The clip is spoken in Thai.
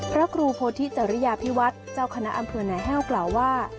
พระครูโพธิจริยาพิวัฒน์เจ้าคณะอำเภอหนาแห้วกล่าวว่า